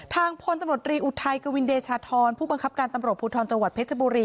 พลตำรวจรีอุทัยกวินเดชาธรผู้บังคับการตำรวจภูทรจังหวัดเพชรบุรี